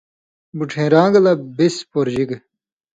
بُڇھئین٘راگ لہ بِس پورژِگ۔